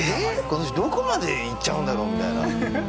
この人どこまでいっちゃうんだろう」みたいな。